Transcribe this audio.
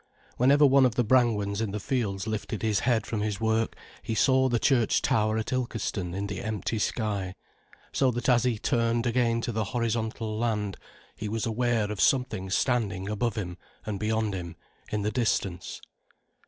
Whenever one of the Brangwens in the fields lifted his head from his work, he saw the church tower at Ilkeston in the empty sky. So that as he turned again to the horizontal land, he was aware of something standing above him and beyond him in the distance.